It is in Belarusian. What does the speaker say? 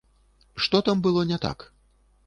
Што там было не так?